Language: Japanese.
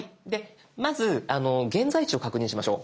まず現在地を確認しましょう。